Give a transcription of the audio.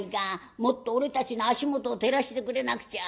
もっと俺たちの足元を照らしてくれなくちゃ。